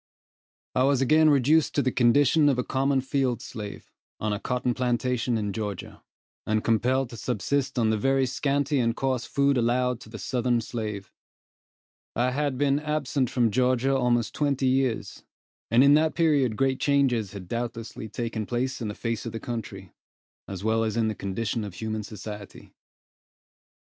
I was again reduced to the condition of a common field slave, on a cotton plantation in Georgia, and compelled to subsist on the very scanty and coarse food allowed to the southern slave. I had been absent from Georgia almost twenty years, and in that period great changes had doubtlessly taken place in the face of the country, as well as in the condition of human society.